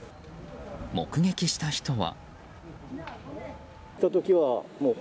目撃した人は。